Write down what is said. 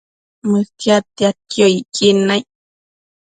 Mëquiadtiadquio icquid naic